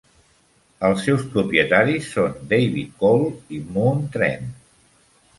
Els seus propietaris són David Cole i Moon Trent.